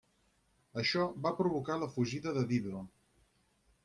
Això va provocar la fugida de Dido.